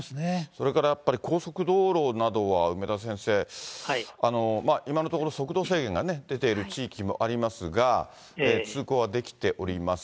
それからやっぱり、高速道路などは梅田先生、今のところ、速度制限が出ている地域もありますが、通行はできております。